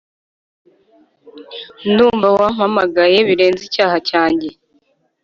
ndumva wampamagaye birenze icyaha cyanjye